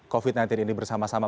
covid sembilan belas ini bersama sama